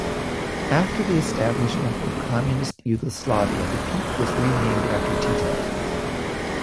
After the establishment of Communist Yugoslavia the peak was renamed after Tito.